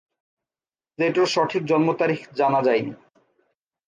প্লেটোর সঠিক জন্ম তারিখ জানা যায়নি।